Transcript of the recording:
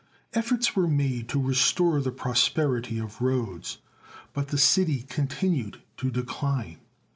Efforts were made to restore the prosperity of Rhodes, but the city continued to decline.